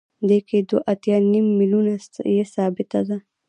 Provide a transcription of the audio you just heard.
دې کې دوه اتیا نیم میلیونه یې ثابته ده